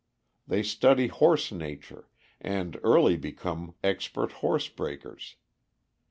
They study "horse nature," and early become expert horse breakers.